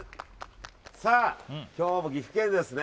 今日も岐阜県ですね。